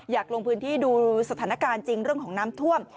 อยากลงพื้นที่ดูสถานการณ์จริงเรื่องของน้ำท่วม